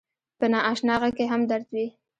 په ناآشنا غږ کې هم درد وي